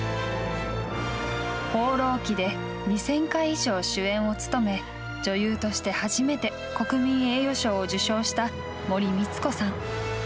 「放浪記」で２０００回以上主演を務め女優として初めて国民栄誉賞を受賞した森光子さん。